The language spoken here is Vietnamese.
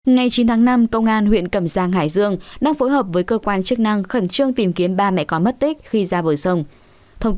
ngày chín tháng năm công an huyện cẩm giang hải dương đang phối hợp với cơ quan chức năng khẩn trương tìm kiếm ba mẹ có mất tích khi ra bờ sông